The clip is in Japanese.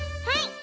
はい。